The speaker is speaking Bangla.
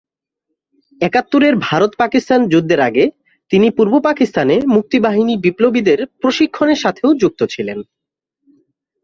একাত্তরের ভারত-পাকিস্তান যুদ্ধের আগে তিনি পূর্ব পাকিস্তানে মুক্তি বাহিনী বিপ্লবীদের প্রশিক্ষণের সাথেও যুক্ত ছিলেন।